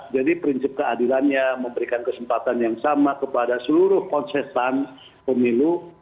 jadi prinsip keadilannya memberikan kesempatan yang sama kepada seluruh konsesan pemilu